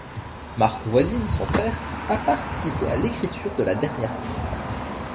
Marc Voisine, son frère, a participé à l'écriture de la dernière piste.